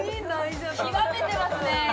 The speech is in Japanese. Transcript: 極めてますね！